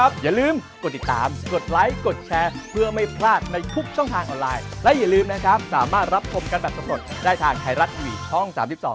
โปรดติดตามกันทุกวันทุกวันทุกวันทุกวัน